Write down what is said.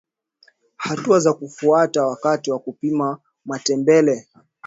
Hatua za kufuata wakati wa kupika matembele